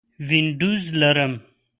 وینډوز لرم